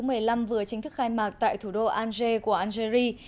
năng lượng lần thứ một mươi năm vừa chính thức khai mạc tại thủ đô alger của algeria